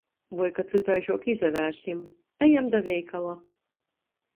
Voi ka cytaižuok izavērsim. Ejam da veikala.